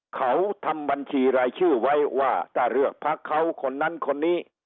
เขาทำบัญชีรายชื่อไว้ว่าถ้าเลือกพักเขาคนนั้นคนนี้